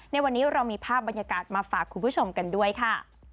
ในวันนี้เรามีภาพบรรยากาศมาฝากคุณผู้ชมกันด้วยค่ะ